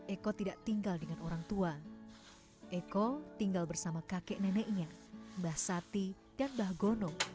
eko tidak tinggal dengan orangtua eko tinggal bersama kakek neneknya mbah sati dan bah gonok